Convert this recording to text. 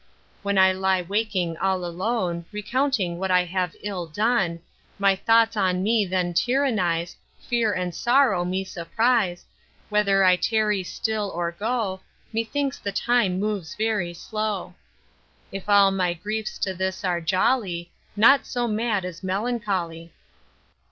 When I lie waking all alone, Recounting what I have ill done, My thoughts on me then tyrannise, Fear and sorrow me surprise, Whether I tarry still or go, Methinks the time moves very slow. All my griefs to this are jolly, Naught so mad as melancholy.